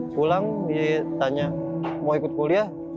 pulang ditanya mau ikut kuliah